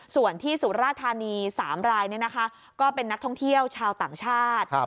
ส่วนที่สุราธานี๓รายก็เป็นนักท่องเที่ยวชาวต่างชาติ